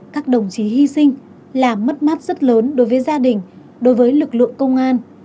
các đồng chí hy sinh là mất mát rất lớn đối với gia đình đối với lực lượng công an